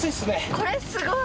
これすごい。